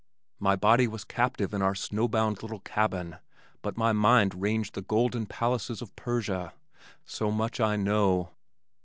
My body was captive in our snowbound little cabin but my mind ranged the golden palaces of Persia so much I know.